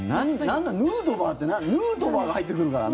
ヌートバーってヌートバーが入ってくるからね。